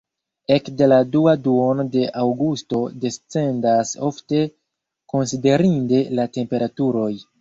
Ekde la dua duono de aŭgusto descendas ofte konsiderinde la temperaturoj.